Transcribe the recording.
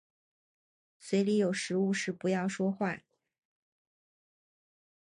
嘴里有食物时不要说话。